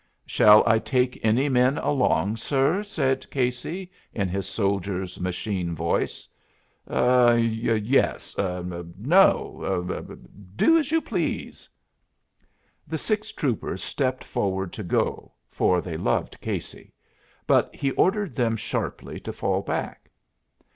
"Shall I take any men along, sir?" said Casey in his soldier's machine voice. "Er yes. Er no. Er do as you please." The six troopers stepped forward to go, for they loved Casey; but he ordered them sharply to fall back.